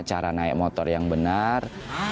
cara naik motor yang benar